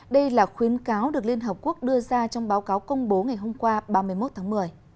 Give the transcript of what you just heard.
đây là khuyến cáo được liên hợp quốc đưa ra trong báo cáo công bố ngày hôm qua ba mươi một tháng một mươi